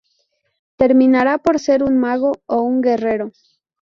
Terminará por ser un mago... ¡o un guerrero!"...